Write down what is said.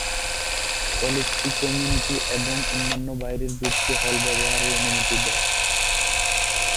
কলেজটি কমিউনিটি এবং অন্যান্য বাইরের গ্রুপকে হল ব্যবহারের অনুমতি দেয়।